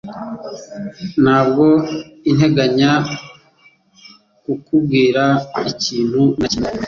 Ntabwo nteganya kukubwira ikintu na kimwe.